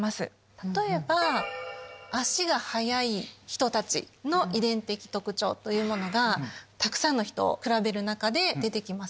例えば足が速い人たちの遺伝的特徴というものがたくさんの人を比べる中で出て来ます